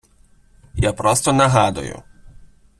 Я просто нагадую.